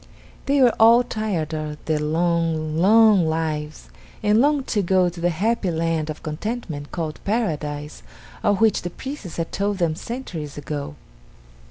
They were all tired of their long, long lives, and longed to go to the happy land of contentment called Paradise of which the priests had told them centuries ago.